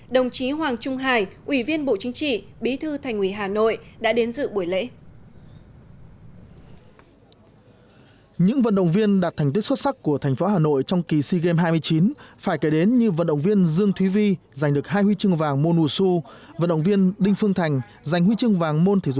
đồng chí hoàng trung hải ủy viên bộ chính trị bí thư thành ủy hà nội đã đến dự buổi lễ